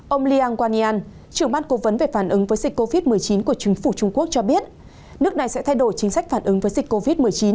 ông leeang wanian trưởng ban cố vấn về phản ứng với dịch covid một mươi chín của chính phủ trung quốc cho biết nước này sẽ thay đổi chính sách phản ứng với dịch covid một mươi chín